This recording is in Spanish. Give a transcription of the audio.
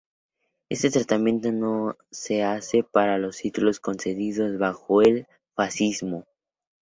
Éste tratamiento no se hace para los títulos concedidos bajo el fascismo.